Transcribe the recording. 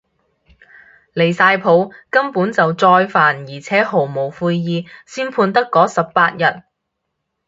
離晒譜，根本就再犯而且毫無悔意，先判得嗰十八日